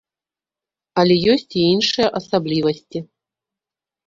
Але ёсць і іншыя асаблівасці.